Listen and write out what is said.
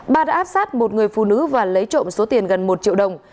ba đã áp sát một người phụ nữ và lấy trộm số tiền gần một triệu đồng